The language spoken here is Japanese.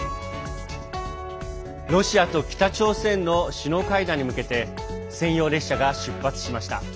ロシアと北朝鮮の首脳会談に向けて専用列車が出発しました。